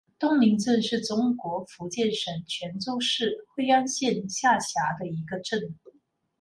东岭镇是中国福建省泉州市惠安县下辖的一个镇。